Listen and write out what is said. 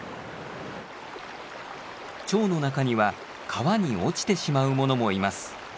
チョウの中には川に落ちてしまうものもいます。